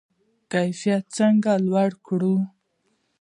کیفیت څنګه لوړ کړو؟